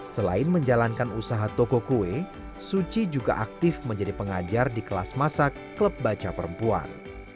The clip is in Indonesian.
selain menjalankan usaha toko kue suci juga aktif menjadi pengajar di kelas masak klub baca perempuan